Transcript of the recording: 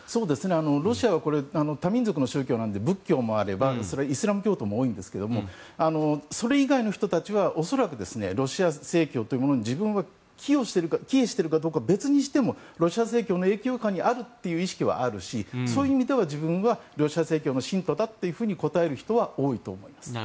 ロシアは多民族の宗教なので仏教もあればイスラム教徒も多いんですがそれ以外の人たちは恐らく、ロシア正教というものに自分が帰依しているかどうかは別にしてもロシア正教の影響下にあるという認識はあるしそういう意味では自分はロシア正教の信徒だと答える人は多いと思います。